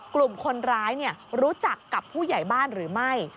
กลุ่มคนร้ายรู้จักกับผู้ใหญ่บ้านหรือไม่